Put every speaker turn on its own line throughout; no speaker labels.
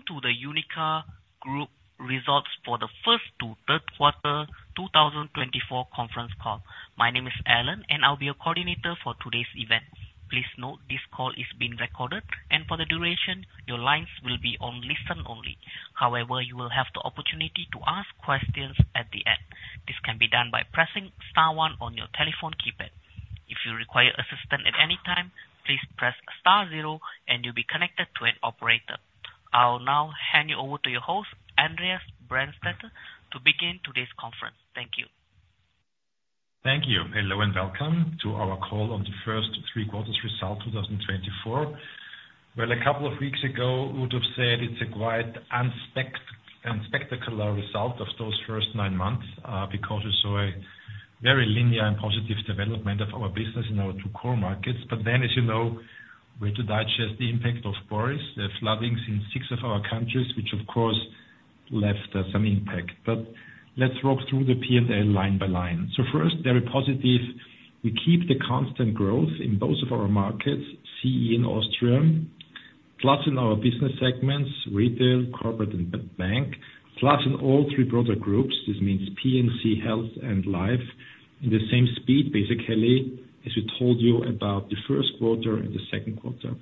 Welcome to the UNIQA Group Results for the first to third quarter 2024 conference call. My name is Alan, and I'll be your coordinator for today's event. Please note this call is being recorded, and for the duration, your lines will be on listen only. However, you will have the opportunity to ask questions at the end. This can be done by pressing star one on your telephone keypad. If you require assistance at any time, please press star zero, and you'll be connected to an operator. I'll now hand you over to your host, Andreas Brandstetter, to begin today's conference. Thank you.
Thank you. Hello and welcome to our call on the first three quarters results 2024. Well, a couple of weeks ago, we would have said it's a quite unspectacular result of those first nine months because we saw a very linear and positive development of our business in our two core markets. But then, as you know, we had to digest the impact of Boris, the flooding in six of our countries, which of course left some impact. But let's walk through the P&L line by line. So first, very positive, we keep the constant growth in both of our markets, CEE and Austria, plus in our business segments, retail, corporate, and bank, plus in all three broader groups. This means P&C, health, and life in the same speed, basically, as we told you about the first quarter and the second quarter.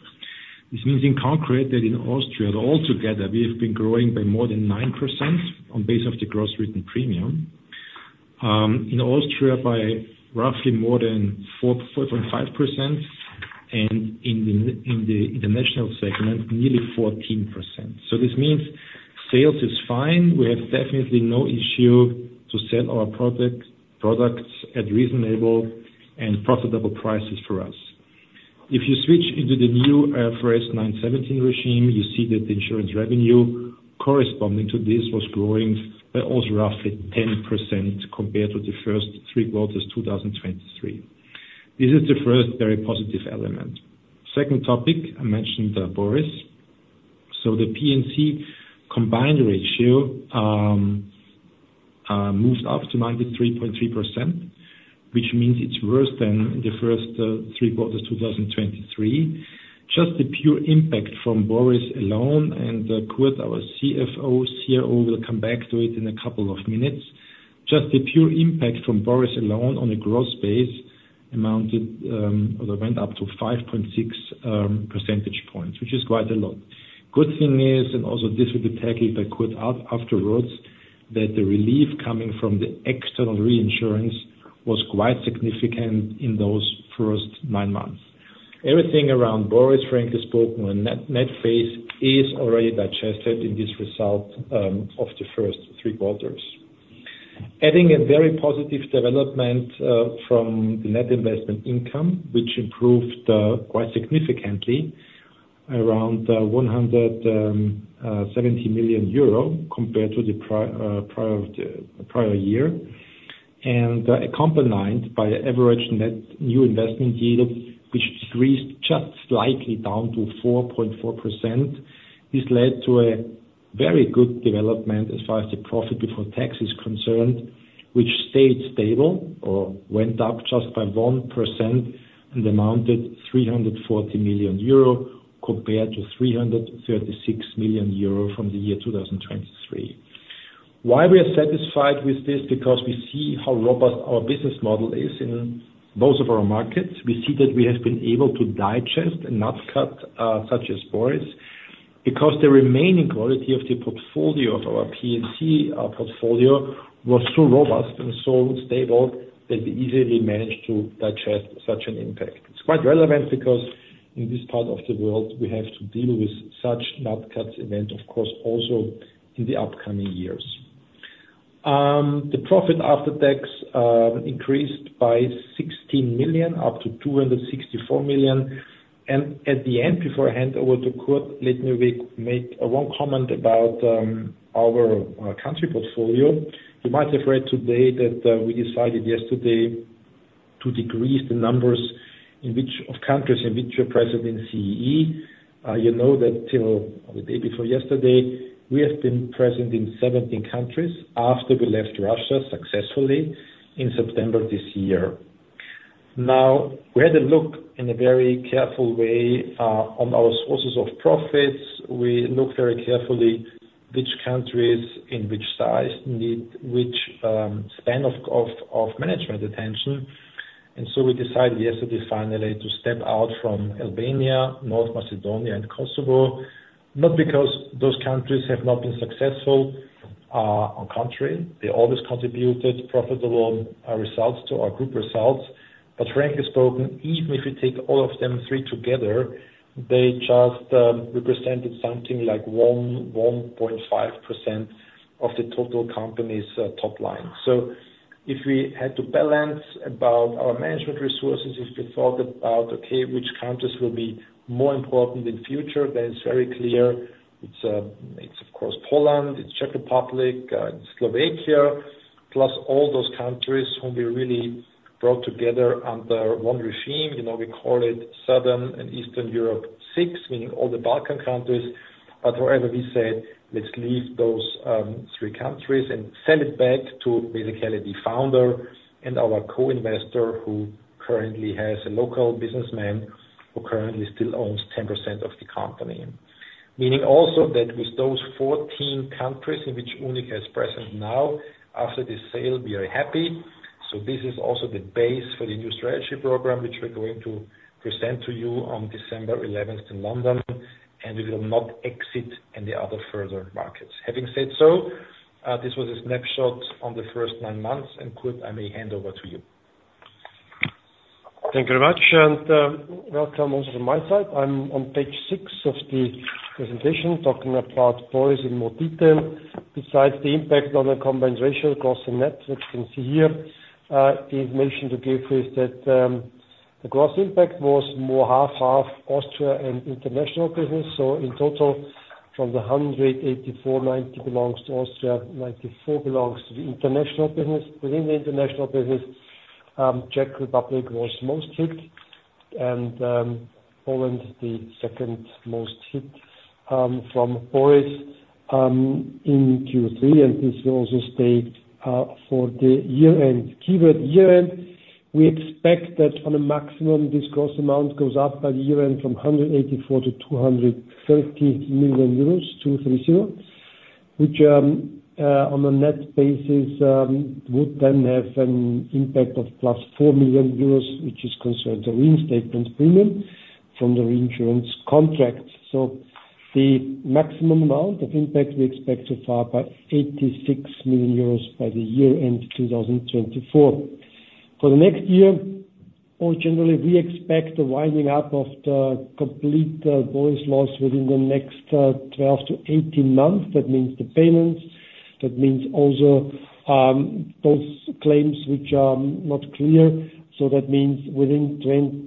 This means in concrete that in Austria, altogether, we have been growing by more than 9% on base of the gross written premium. In Austria, by roughly more than 4.5%, and in the international segment, nearly 14%. So this means sales is fine. We have definitely no issue to sell our products at reasonable and profitable prices for us. If you switch into the new IFRS 9/17 regime, you see that the insurance revenue corresponding to this was growing by also roughly 10% compared to the first three quarters 2023. This is the first very positive element. Second topic, I mentioned Boris. So the P&C combined ratio moved up to 93.3%, which means it's worse than the first three quarters 2023. Just the pure impact from Boris alone, and Kurt, our CFO and COO, will come back to it in a couple of minutes. Just the pure impact from Boris alone on the gross base amounted or went up to 5.6 percentage points, which is quite a lot. Good thing is, and also this will be taken by Kurt out afterwards, that the relief coming from the external reinsurance was quite significant in those first nine months. Everything around Boris, frankly spoken, net basis is already digested in this result of the first three quarters. Adding a very positive development from the net investment income, which improved quite significantly around 170 million euro compared to the prior year, and accompanied by average net new investment yield, which decreased just slightly down to 4.4%. This led to a very good development as far as the profit before tax is concerned, which stayed stable or went up just by 1% and amounted to 340 million euro compared to 336 million euro from the year 2023. Why we are satisfied with this? Because we see how robust our business model is in both of our markets. We see that we have been able to digest a nat cat such as Storm Boris because the remaining quality of the portfolio of our P&C portfolio was so robust and so stable that we easily managed to digest such an impact. It's quite relevant because in this part of the world, we have to deal with such nat cat events, of course, also in the upcoming years. The profit after tax increased by 16 million, up to 264 million. And at the end, before I hand over to Kurt, let me make one comment about our country portfolio. You might have read today that we decided yesterday to decrease the number of countries in which we are present in CEE. You know that till the day before yesterday, we have been present in 17 countries after we left Russia successfully in September this year. Now, we had a look in a very careful way on our sources of profits. We looked very carefully which countries in which size need which span of management attention. And so we decided yesterday finally to step out from Albania, North Macedonia, and Kosovo, not because those countries have not been successful on country. They always contributed profitable results to our group results. But frankly spoken, even if you take all of them three together, they just represented something like 1.5% of the total company's top line. So if we had to balance about our management resources, if we thought about, okay, which countries will be more important in future, then it's very clear. It's, of course, Poland, it's Czech Republic, it's Slovakia, plus all those countries whom we really brought together under one regime. We call it Southern and Eastern Europe Six, meaning all the Balkan countries, but however, we said, let's leave those three countries and send it back to basically the founder and our co-investor who currently has a local businessman who currently still owns 10% of the company. Meaning also that with those 14 countries in which UNIQA is present now, after the sale, we are happy, so this is also the base for the new strategy program, which we're going to present to you on December 11th in London, and we will not exit any other further markets. Having said so, this was a snapshot on the first nine months, and Kurt, I may hand over to you.
Thank you very much, and welcome also from my side. I'm on page six of the presentation talking about Boris in more detail. Besides the impact on the combined ratio across the net, which you can see here, the information to give is that the gross impact was more half-half Austria and International business. So in total, from the 184 million, 90 million belongs to Austria, 94 million belongs to the International business. Within the International business, Czech Republic was most hit, and Poland, the second most hit from Boris in Q3, and this will also stay for the year-end. Keyword year-end, we expect that on a maximum this gross amount goes up by the year-end from 184 million to 230 million euros, which on a net basis would then have an impact of plus 4 million euros, which is concerned the reinstatement premium from the reinsurance contract. The maximum amount of impact we expect to fall by 86 million euros by year-end 2024. For the next year, more generally, we expect the winding up of the complete Boris loss within the next 12-18 months. That means the payments, that means also those claims which are not clear. That means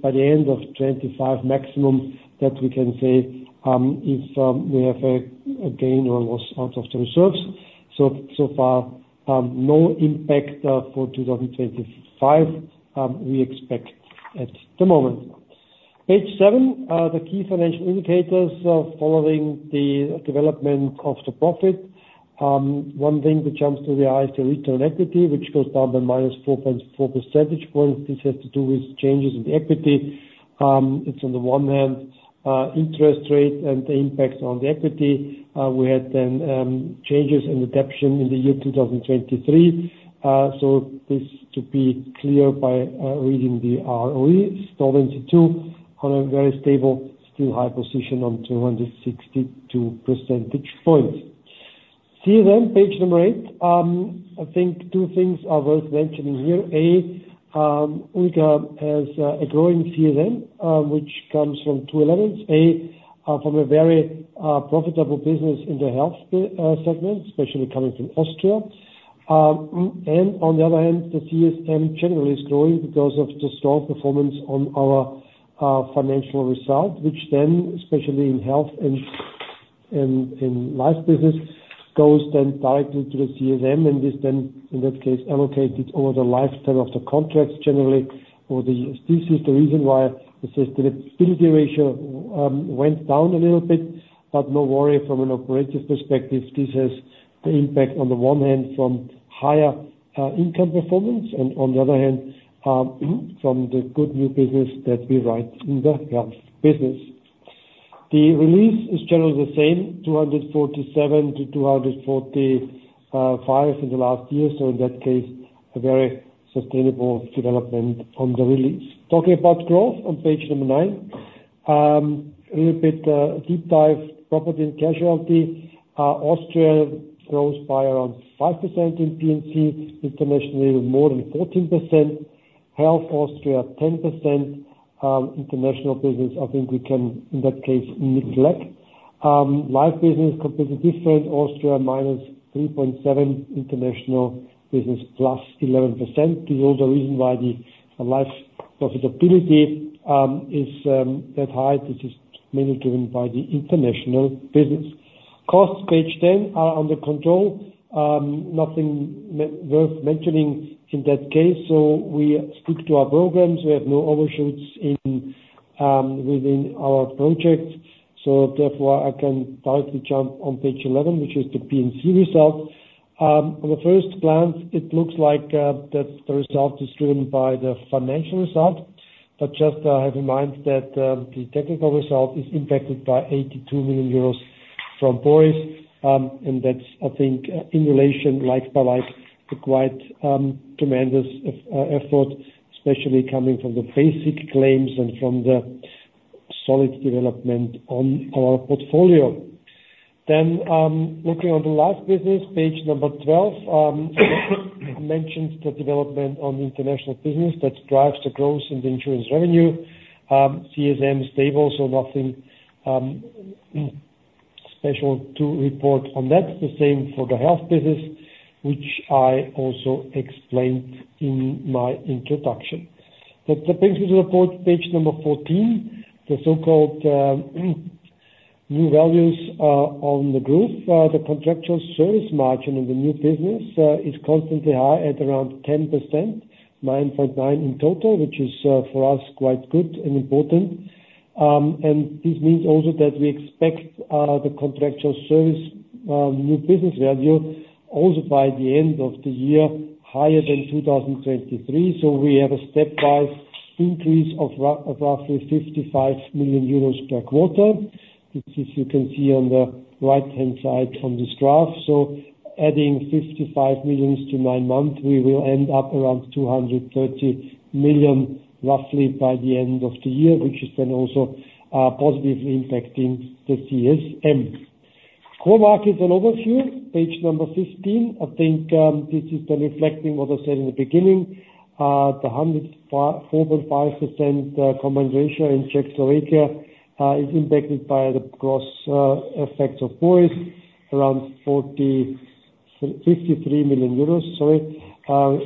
by the end of 2025 maximum that we can say if we have a gain or a loss out of the reserves. So far, no impact for 2025 we expect at the moment. Page seven, the key financial indicators following the development of the profit. One thing that jumps to the eye is the return on equity, which goes down by -4.4 percentage points. This has to do with changes in the equity. It's on the one hand, interest rate and the impact on the equity. We had then changes in adaptation in the year 2023. So this to be clear by reading the ROE, it's 22% on a very stable, still high position on 262 percentage points. CSM, page number eight, I think two things are worth mentioning here. UNIQA has a growing CSM, which comes from two elements. A, from a very profitable business in the health segment, especially coming from Austria. And on the other hand, the CSM generally is growing because of the strong performance on our financial result, which then, especially in health and in life business, goes then directly to the CSM, and this then in that case allocated over the lifetime of the contracts generally or the USDCs. The reason why the solvency ratio went down a little bit, but no worry from an operative perspective. This has the impact on the one hand from higher income performance and on the other hand from the good new business that we write in the health business. The release is generally the same, 247-245 in the last year, so in that case, a very sustainable development on the release. Talking about growth on page number nine, a little bit deep dive property and casualty. Austria grows by around 5% in P&C, internationally more than 14%. Health, Austria 10%, International business, I think we can in that case neglect. Life business completely different, Austria -3.7, International business +11%. This is also the reason why the life profitability is that high. This is mainly driven by the International business. Costs, page 10, are under control. Nothing worth mentioning in that case, so we stick to our programs. We have no overshoots within our project. Therefore, I can directly jump on page 11, which is the P&C result. On the first glance, it looks like that the result is driven by the financial result. But just have in mind that the technical result is impacted by 82 million euros from Storm Boris. And that's, I think, in relation like by like a quite tremendous effort, especially coming from the basic claims and from the solid development on our portfolio. Then looking on the life business, page number 12, I mentioned the development on the International business that drives the growth in the insurance revenue. CSM stable, so nothing special to report on that. The same for the health business, which I also explained in my introduction. That brings me to the page number 14, the so-called new values on the growth. The contractual service margin in the new business is constantly high at around 10%, 9.9% in total, which is for us quite good and important. This means also that we expect the contractual service new business value also by the end of the year higher than 2023. We have a stepwise increase of roughly 55 million euros per quarter. This is, you can see on the right-hand side from this graph. Adding 55 million to nine months, we will end up around 230 million roughly by the end of the year, which is then also positively impacting the CSM. Core markets and overview, page number 15. I think this has been reflecting what I said in the beginning. The 104.5% combined ratio in Czech/Slovakia is impacted by the gross effects of Boris, around 53 million euros, sorry,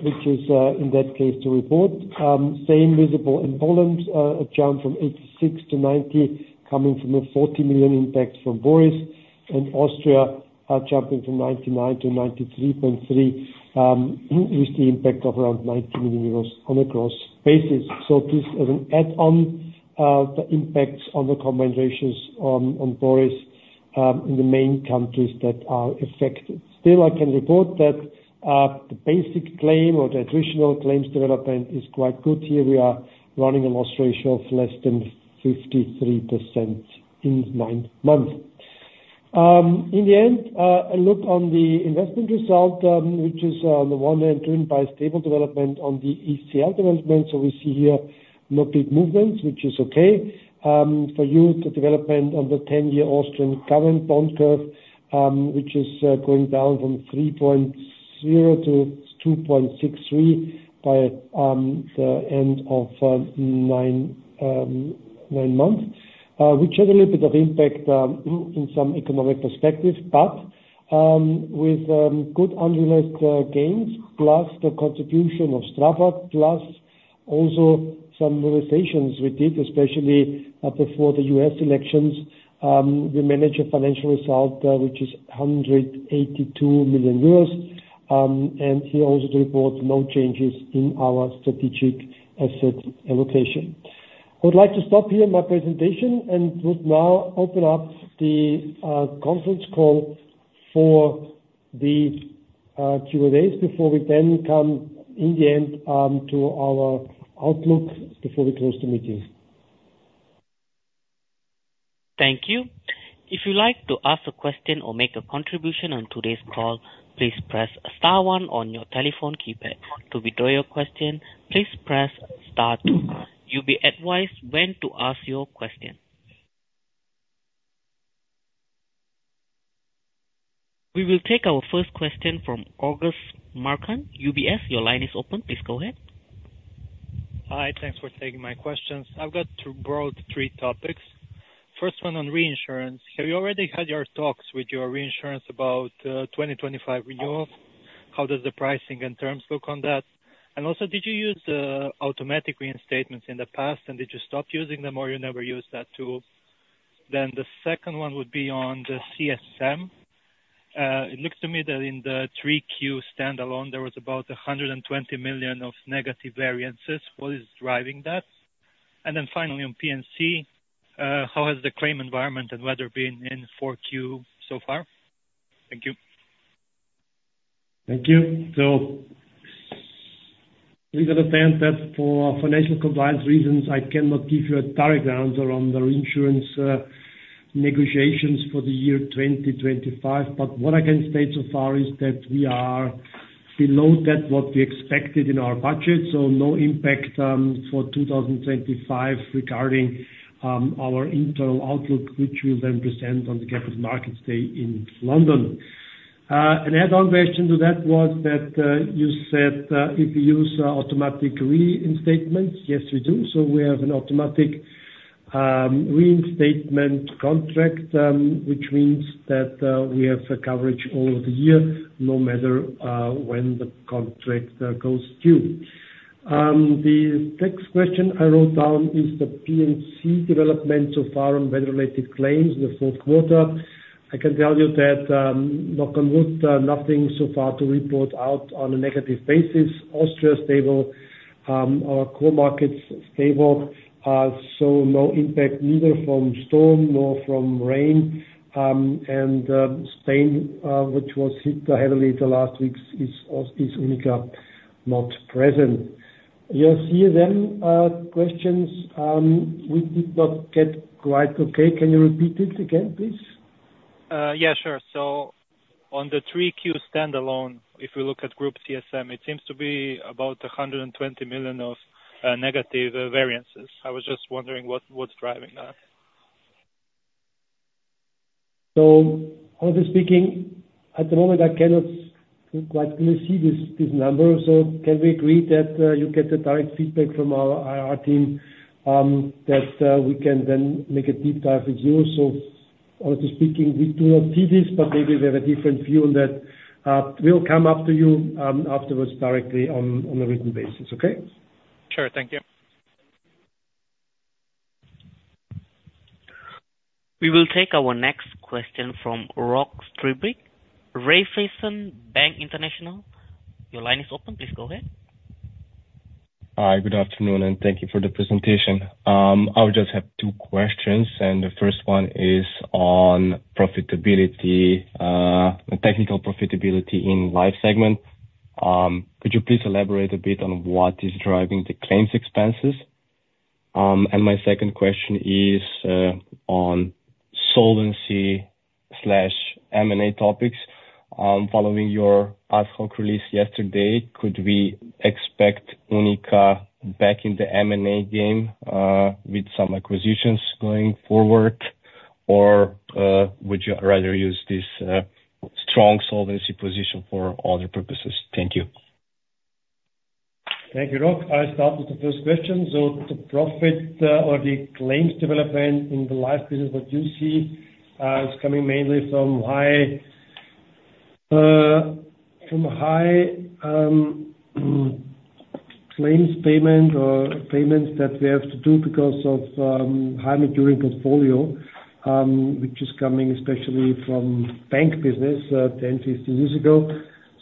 which is in that case to report. Same visible in Poland, a jump from 86% to 90% coming from a 40 million impact from Boris, and Austria jumping from 99% to 93.3% with the impact of around 90 million euros on a gross basis. So this is an add-on, the impacts on the combined ratios on Boris in the main countries that are affected. Still, I can report that the basic claim or the additional claims development is quite good here. We are running a loss ratio of less than 53% in nine months. In the end, a look on the investment result, which is on the one hand driven by stable development on the ECL development. So we see here no big movements, which is okay. For you, the development on the 10-year Austrian government bond curve, which is going down from 3.0 to 2.63 by the end of nine months, which had a little bit of impact in some economic perspective, but with good unrealized gains, plus the contribution ofSTRABAG, plus also some realizations we did, especially before the U.S. elections. We managed a financial result, which is 182 million euros, and here also to report no changes in our strategic asset allocation. I would like to stop here my presentation and would now open up the conference call for the Q&As before we then come in the end to our outlook before we close the meeting.
Thank you. If you'd like to ask a question or make a contribution on today's call, please press star one on your telephone keypad. To withdraw your question, please press star two. You'll be advised when to ask your question. We will take our first question from August Marčan. UBS, your line is open. Please go ahead.
Hi, thanks for taking my questions. I've got two or three topics. First one on reinsurance. Have you already had your talks with your reinsurance about 2025 renewals? How does the pricing and terms look on that? And also, did you use the automatic reinstatements in the past, and did you stop using them, or you never used that tool? Then the second one would be on the CSM. It looks to me that in the three Q standalone, there was about 120 million of negative variances. What is driving that? And then finally, on P&C, how has the claim environment and weather been in 4Q so far? Thank you.
Thank you. Please understand that for financial compliance reasons, I cannot give you a target answer on the reinsurance negotiations for the year 2025. But what I can state so far is that we are below that what we expected in our budget. So no impact for 2025 regarding our internal outlook, which we'll then present on the Capital Markets Day in London. An add-on question to that was that you said if you use automatic reinstatements, yes, we do. So we have an automatic reinstatement contract, which means that we have coverage all of the year, no matter when the contract goes due. The next question I wrote down is the P&C development so far on weather-related claims in the fourth quarter. I can tell you that, knock on wood, nothing so far to report out on a negative basis. Austria is stable. Our core markets are stable. So, no impact neither from storm nor from rain. And Spain, which was hit heavily the last weeks, is UNIQA not present. Your CSM questions, we did not get quite okay. Can you repeat it again, please?
Yeah, sure. So on the 3Q standalone, if we look at group CSM, it seems to be about 120 million of negative variances. I was just wondering what's driving that.
So honestly speaking, at the moment, I cannot quite see these numbers. So can we agree that you get the direct feedback from our team that we can then make a deep dive with you? So honestly speaking, we do not see this, but maybe we have a different view on that. We'll come up to you afterwards directly on a written basis. Okay?
Sure. Thank you.
We will take our next question from Rok Stibrič, Raiffeisen Bank International. Your line is open. Please go ahead.
Hi, good afternoon, and thank you for the presentation. I would just have two questions. And the first one is on profitability, technical profitability in life segment. Could you please elaborate a bit on what is driving the claims expenses? And my second question is on solvency/M&A topics. Following your ad hoc release yesterday, could we expect UNIQA back in the M&A game with some acquisitions going forward, or would you rather use this strong solvency position for other purposes? Thank you.
Thank you, Rok. I'll start with the first question so the profit or the claims development in the life business, what you see is coming mainly from high claims payment or payments that we have to do because of high maturing portfolio, which is coming especially from Bank business 10, 15 years ago,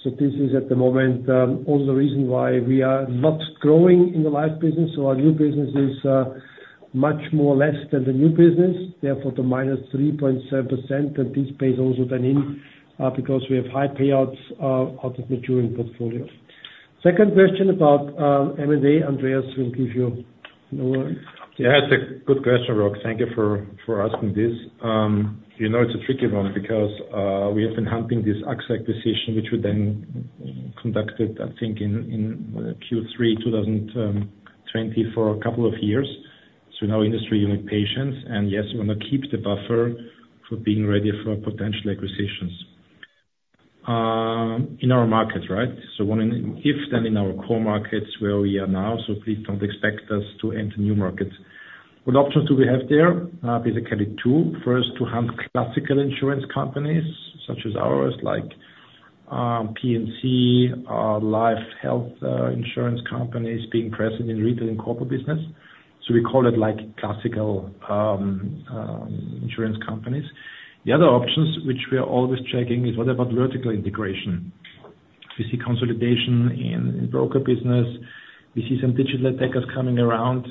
this is at the moment also the reason why we are not growing in the life business so our new business is much more or less than the new business. Therefore, the -3.7%, and this pays also then in because we have high payouts out of maturing portfolio. Second question about M&A, Andreas will give you another one.
Yeah, it's a good question, Rok. Thank you for asking this. You know it's a tricky one because we have been hunting this AXA acquisition, which we then conducted, I think, in Q3 2020 for a couple of years. So now, in the industry, you need patience. And yes, we want to keep the buffer for being ready for potential acquisitions in our market, right? So if then in our core markets where we are now, so please don't expect us to enter new markets. What options do we have there? Basically two. First, to hunt classical insurance companies such as ours, like P&C, life health insurance companies being present in retail and corporate business. So we call it like classical insurance companies. The other options which we are always checking is what about vertical integration? We see consolidation in broker business. We see some digital attackers coming around,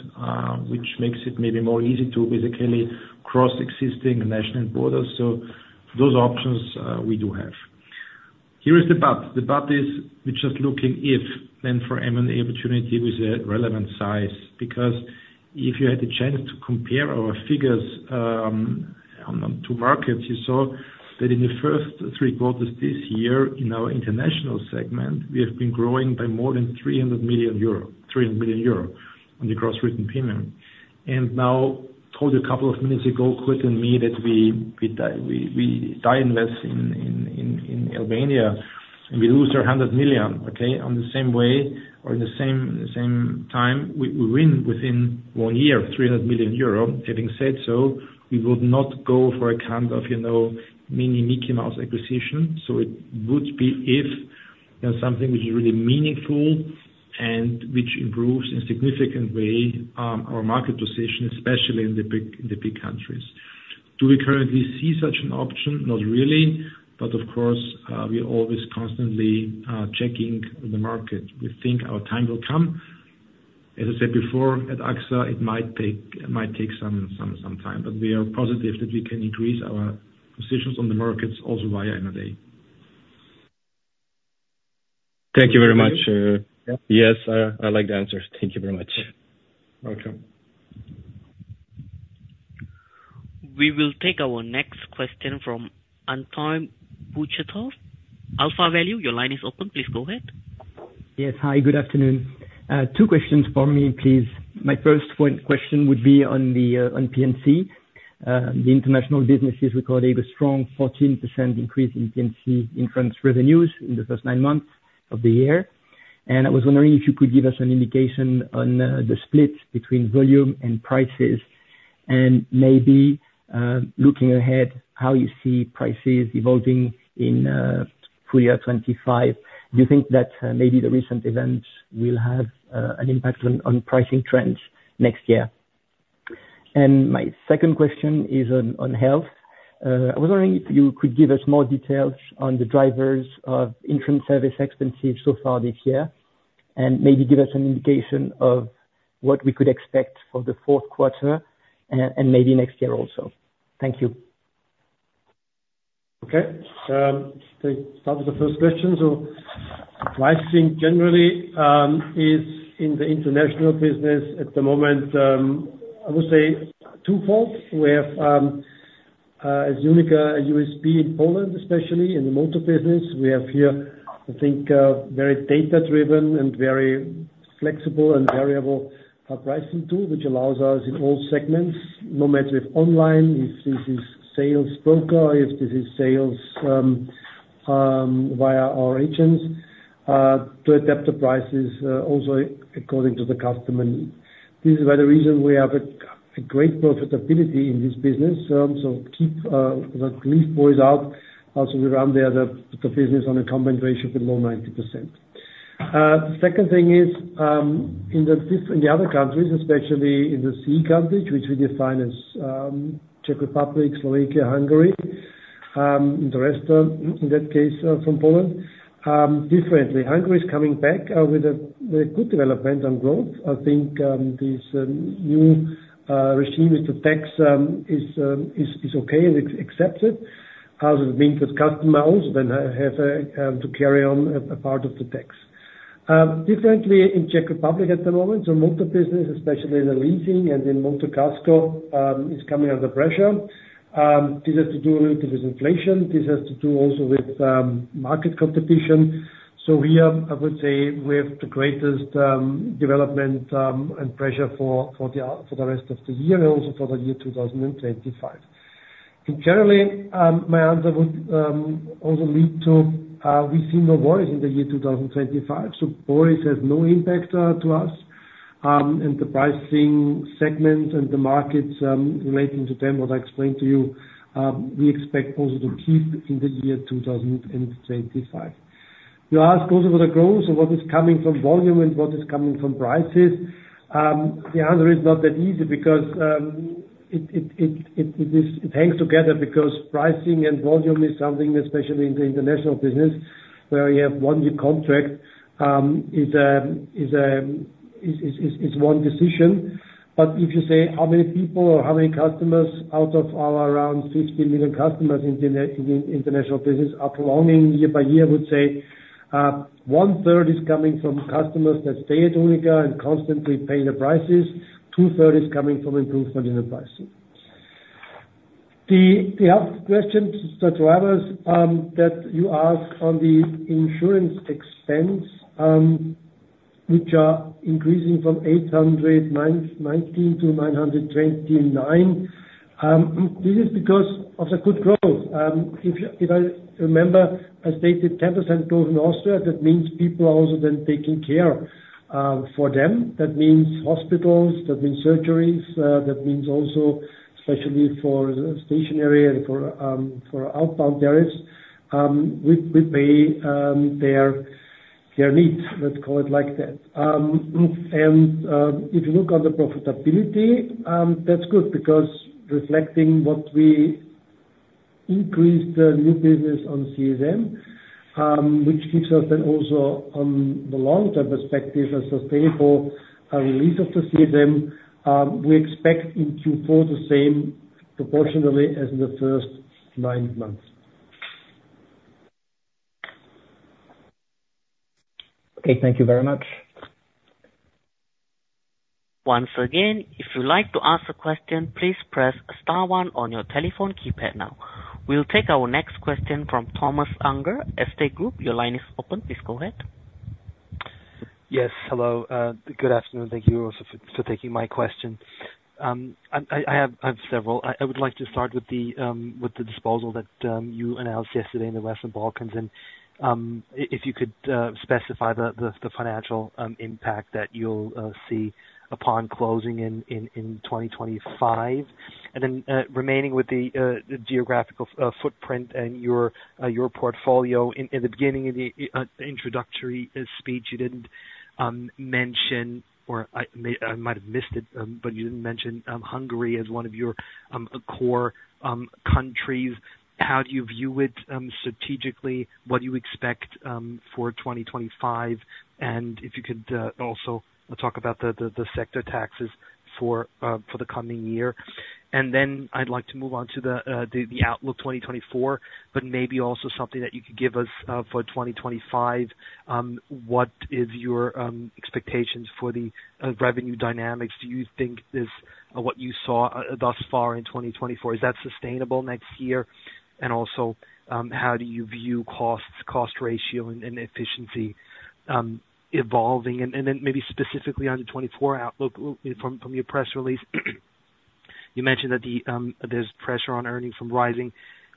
which makes it maybe more easy to basically cross existing national borders. So those options we do have. Here is the but. The but is we're just looking and then for M&A opportunity with a relevant size. Because if you had the chance to compare our figures on two markets, you saw that in the first three quarters this year in our international segment, we have been growing by more than 300 million euro, 300 million euro on the gross written premium. And now, as I told you a couple of minutes ago, Andreas and me that we are divesting in Albania and we lose our 100 million, okay? In the same way or in the same time, we win within one year, 300 million euro. Having said so, we would not go for a kind of mini Mickey Mouse acquisition. So it would be if something which is really meaningful and which improves in a significant way our market position, especially in the big countries. Do we currently see such an option? Not really. But of course, we are always constantly checking the market. We think our time will come. As I said before, at AXA, it might take some time, but we are positive that we can increase our positions on the markets also via M&A.
Thank you very much. Yes, I like the answers. Thank you very much.
Okay.
We will take our next question from Antoine Bouchetoux, AlphaValue. Your line is open. Please go ahead.
Yes. Hi, good afternoon. Two questions for me, please. My first question would be on P&C. The International businesses recorded a strong 14% increase in P&C insurance revenues in the first nine months of the year. And I was wondering if you could give us an indication on the split between volume and prices. And maybe looking ahead, how you see prices evolving in full year 2025. Do you think that maybe the recent events will have an impact on pricing trends next year? And my second question is on health. I was wondering if you could give us more details on the drivers of insurance service expenses so far this year, and maybe give us an indication of what we could expect for the fourth quarter and maybe next year also. Thank you.
Okay. Let's start with the first question. So pricing generally is in the International business at the moment, I would say twofold. We have, as UNIQA, a USP in Poland, especially in the motor business. We have here, I think, a very data-driven and very flexible and variable pricing tool, which allows us in all segments, no matter if online, if this is sales broker, if this is sales via our agents, to adapt the prices also according to the customer need. This is why the reason we have a great profitability in this business. So keep the loss ratio low. Also, we run the other business on a combined ratio below 90%. The second thing is in the other countries, especially in the CEE countries, which we define as Czech Republic, Slovakia, Hungary, and the rest in that case from Poland, differently. Hungary is coming back with a good development on growth. I think this new regime with the tax is okay and accepted. It means that customers also then have to carry on a part of the tax. Differently in Czech Republic at the moment, so motor business, especially in the leasing and in Motor Casco, is coming under pressure. This has to do a little bit with inflation. This has to do also with market competition. So here, I would say we have the greatest development and pressure for the rest of the year and also for the year 2025. And generally, my answer would also lead to we see no worries in the year 2025. So worries have no impact to us. And the pricing segment and the markets relating to them, what I explained to you, we expect also to keep in the year 2025. You ask also for the growth and what is coming from volume and what is coming from prices. The answer is not that easy because it hangs together because pricing and volume is something, especially in the International business, where you have one year contract is one decision. But if you say how many people or how many customers out of our around 15 million customers in the International business are prolonging year by year, I would say one-third is coming from customers that stay at UNIQA and constantly pay the prices. Two-thirds is coming from improvement in the pricing. The other question to the drivers that you ask on the insurance expense, which are increasing from 819 million to 929 million, this is because of the good growth. If I remember, I stated 10% growth in Austria, that means people are also then taking care for them. That means hospitals, that means surgeries, that means also especially for stationary and for outpatient tariffs, we pay their needs, let's call it like that, and if you look on the profitability, that's good because reflecting what we increased the new business on CSM, which gives us then also on the long-term perspective a sustainable release of the CSM, we expect in Q4 the same proportionally as in the first nine months.
Okay. Thank you very much.
Once again, if you'd like to ask a question, please press star one on your telephone keypad now. We'll take our next question from Thomas Unger, Erste Group. Your line is open. Please go ahead.
Yes. Hello. Good afternoon. Thank you also for taking my question. I have several. I would like to start with the disposal that you announced yesterday in the Western Balkans, and if you could specify the financial impact that you'll see upon closing in 2025, and then, remaining with the geographical footprint and your portfolio, in the beginning of the introductory speech, you didn't mention, or I might have missed it, but you didn't mention Hungary as one of your core countries. How do you view it strategically? What do you expect for 2025, and if you could also talk about the sector taxes for the coming year, and then I'd like to move on to the outlook 2024, but maybe also something that you could give us for 2025. What is your expectations for the revenue dynamics? Do you think this is what you saw thus far in 2024? Is that sustainable next year? And also, how do you view costs, cost ratio, and efficiency evolving? And then maybe specifically on the 2024 outlook from your press release, you mentioned that there's pressure on earnings from rising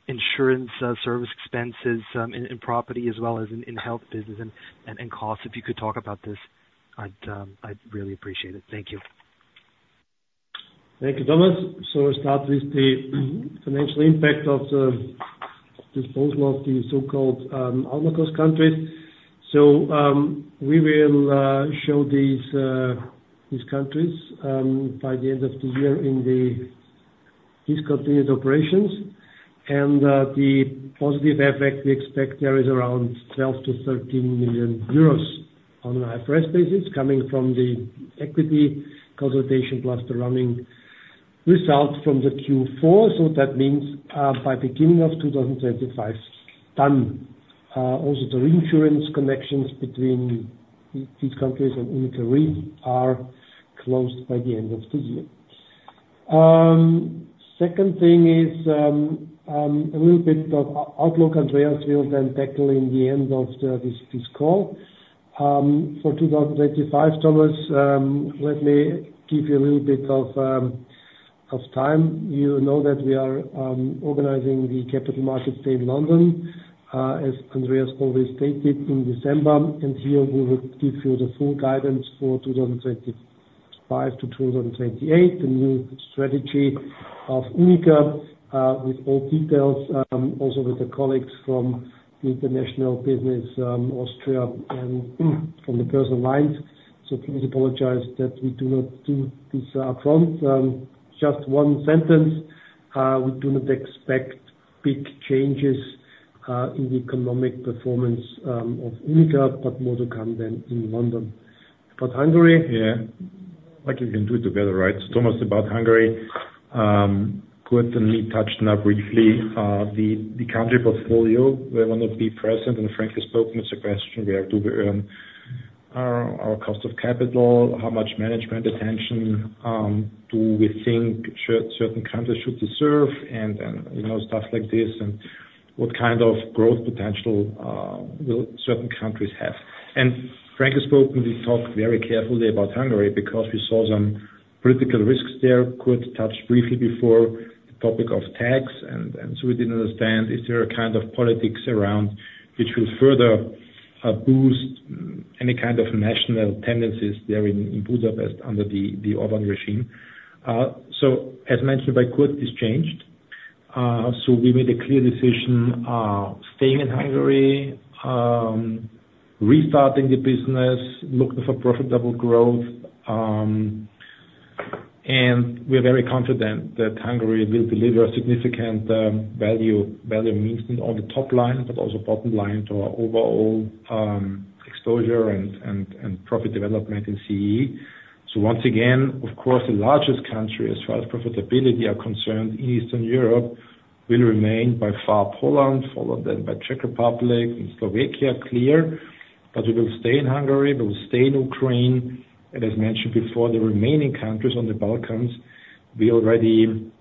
insurance service expenses in property as well as in health business and costs. If you could talk about this, I'd really appreciate it. Thank you.
Thank you, Thomas. We'll start with the financial impact of the disposal of the so-called out-of-core countries. We will show these countries by the end of the year in the discontinued operations. The positive effect we expect there is around 12 million-13 million euros on an IFRS basis coming from the equity contribution plus the recurring result from the Q4. That means by beginning of 2025, done. Also, the reinsurance contracts between these countries and UNIQA Re are closed by the end of the year. Second thing is a little bit of outlook Andreas will then tackle in the end of this call. For 2025, Thomas, let me give you a little bit of time. You know that we are organizing the Capital Markets Day in London, as Andreas already stated in December. And here, we will give you the full guidance for 2025 to 2028, the new strategy of UNIQA with all details, also with the colleagues from the International business, Austria, and from the personal lines. So please apologize that we do not do this upfront. Just one sentence. We do not expect big changes in the economic performance of UNIQA, but more to come then in London. About Hungary.
Yeah. I think we can do it together, right? So Thomas, about Hungary, Kurt and me touched on that briefly. The country portfolio, we want to be present and frankly spoken. It's a question where do we earn our cost of capital, how much management attention do we think certain countries should deserve, and stuff like this, and what kind of growth potential will certain countries have? And frankly spoken, we talked very carefully about Hungary because we saw some political risks there. Kurt touched briefly before the topic of tax. And so we didn't understand if there are kind of politics around which will further boost any kind of national tendencies there in Budapest under the Orbán regime. So as mentioned by Kurt, this changed. So we made a clear decision staying in Hungary, restarting the business, looking for profitable growth. And we're very confident that Hungary will deliver significant value means on the top line, but also bottom line to our overall exposure and profit development in CEE. So once again, of course, the largest country as far as profitability are concerned in Eastern Europe will remain by far Poland, followed then by Czech Republic and Slovakia, clear. But we will stay in Hungary. We will stay in Ukraine. And as mentioned before, the remaining countries on the Balkans, we already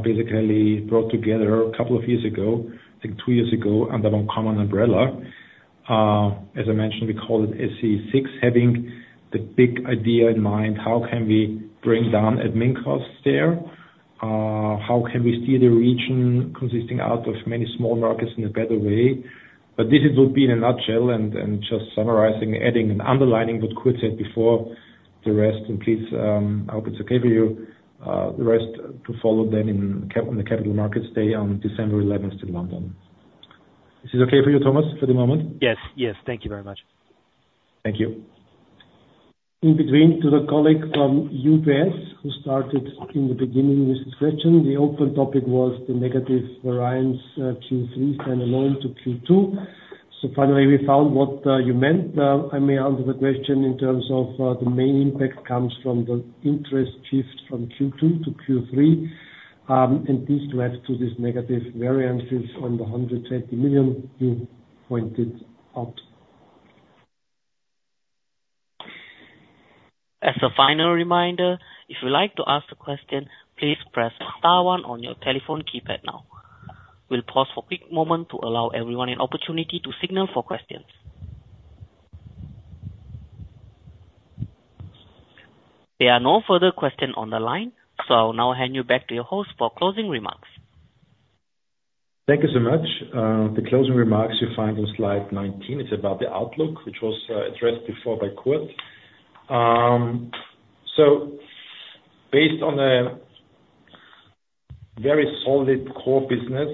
basically brought together a couple of years ago, I think two years ago, under one common umbrella. As I mentioned, we call it SEE6, having the big idea in mind, how can we bring down admin costs there? How can we steer the region consisting out of many small markets in a better way? But this will be in a nutshell and just summarizing, adding and underlining what Kurt said before the rest. And please, I hope it's okay for you, the rest to follow then in the Capital Markets Day on December 11th in London. Is this okay for you, Thomas, for the moment?
Yes. Yes. Thank you very much.
Thank you. Turning to the colleague from UBS who started in the beginning with this question. The open topic was the negative variance Q3 standalone to Q2, so finally, we found what you meant. I may answer the question in terms of the main impact comes from the interest shift from Q2 to Q3, and this led to these negative variances on the 120 million you pointed out.
As a final reminder, if you'd like to ask a question, please press star one on your telephone keypad now. We'll pause for a quick moment to allow everyone an opportunity to signal for questions. There are no further questions on the line, so I'll now hand you back to your host for closing remarks.
Thank you so much. The closing remarks you find on slide 19, it's about the outlook, which was addressed before by Kurt, so based on a very solid core business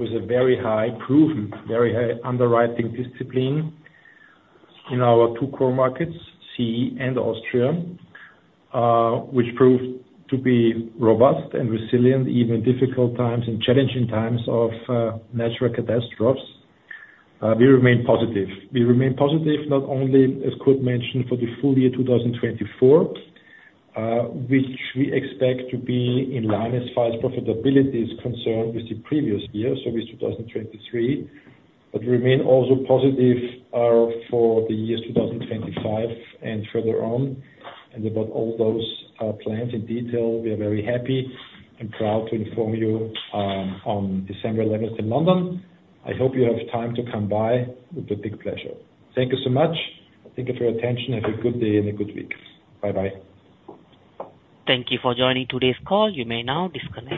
with a very high ROE, very high underwriting discipline in our two core markets, CEE and Austria, which proved to be robust and resilient even in difficult times and challenging times of natural catastrophes, we remain positive. We remain positive, not only as Kurt mentioned for the full year 2024, which we expect to be in line as far as profitability is concerned with the previous year, so with 2023, but we remain also positive for the year 2025 and further on, and about all those plans in detail, we are very happy and proud to inform you on December 11th in London. I hope you have time to come by. It would be a big pleasure. Thank you so much. Thank you for your attention. Have a good day and a good week. Bye-bye.
Thank you for joining today's call. You may now disconnect.